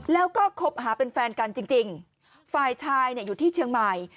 แล้วก็คบหาเป็นแฟนกันจริงฝ่ายชายเนี่ยอยู่ที่เชียงใหม่